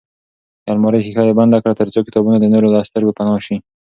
د المارۍ ښیښه یې بنده کړه ترڅو کتابونه د نورو له سترګو پناه وي.